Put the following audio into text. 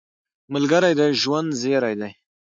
ملګری د ژوند زېری وي